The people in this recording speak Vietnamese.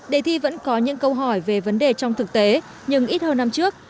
đề thi vẫn có những câu hỏi về vấn đề trong thực tế nhưng ít hơn năm trước